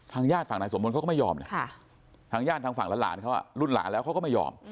ทางญาติฝั่งนายสมพลเขาก็ไม่ยอมเนี่ยทางญาติฝั่งล้านเขาอ่ะรุ่นหลานแล้วเขาก็ไม่ยอม